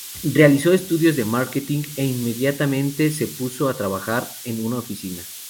Realizó estudios de Marketing e inmediatamente se puso a trabajar en una oficina.